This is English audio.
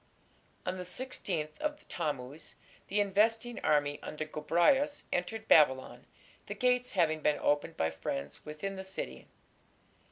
On the 16th of Tammuz the investing army under Gobryas entered Babylon, the gates having been opened by friends within the city.